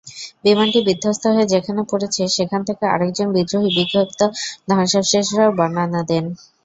বিমানটি বিধ্বস্ত হয়ে যেখানে পড়েছে, সেখান থেকে আরেকজন বিদ্রোহী বিক্ষিপ্ত ধ্বংসাবশেষের বর্ণনা দেন।